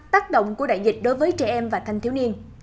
tác động của đại dịch đối với trẻ em và thanh thiếu niên